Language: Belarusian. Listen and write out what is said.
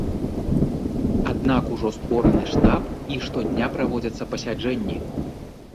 Аднак ужо створаны штаб і штодня праводзяцца пасяджэнні.